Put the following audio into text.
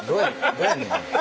どうやねん？